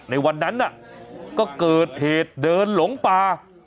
ในวันนั้นก็เกิดเหตุเดินหลงป่า